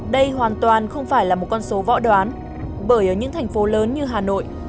đây hoàn toàn không phải là một con số võ đoán bởi ở những thành phố lớn như hà nội